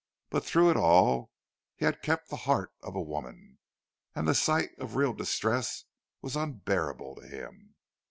But through it all, he had kept the heart of a woman, and the sight of real distress was unbearable to him.